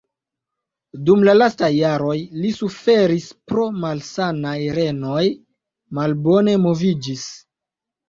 Dum lastaj jaroj li suferis pro malsanaj renoj, malbone moviĝis.